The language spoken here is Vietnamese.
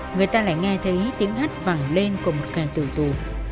người ta lại nghe thấy tiếng hát vẳng lên của một kẻ tử tù